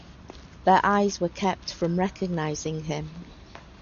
Their eyes were kept from recognizing him.